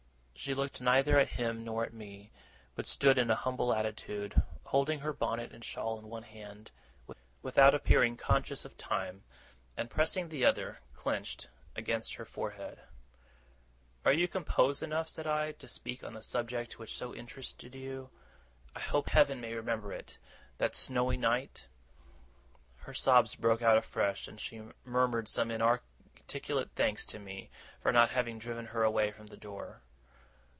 She looked neither at him nor at me, but stood in a humble attitude, holding her bonnet and shawl in one hand, without appearing conscious of them, and pressing the other, clenched, against her forehead. 'Are you composed enough,' said I, 'to speak on the subject which so interested you I hope Heaven may remember it! that snowy night?' Her sobs broke out afresh, and she murmured some inarticulate thanks to me for not having driven her away from the door.